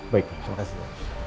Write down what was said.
baik terima kasih